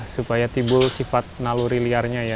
supaya timbul sifat naluri liarnya ya